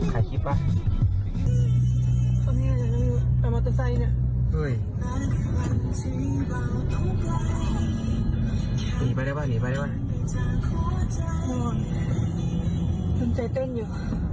คุณใจเต้นอยู่